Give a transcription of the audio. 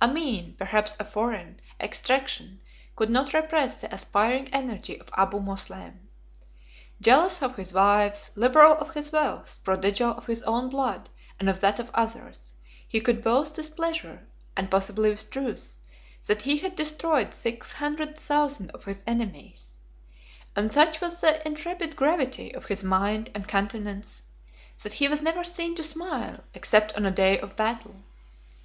A mean, perhaps a foreign, extraction could not repress the aspiring energy of Abu Moslem. Jealous of his wives, liberal of his wealth, prodigal of his own blood and of that of others, he could boast with pleasure, and possibly with truth, that he had destroyed six hundred thousand of his enemies; and such was the intrepid gravity of his mind and countenance, that he was never seen to smile except on a day of battle.